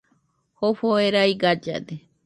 Jofo jerai gallade